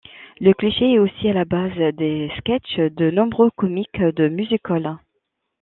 Le cliché est aussi à la base des sketches de nombreux comiques de music-hall.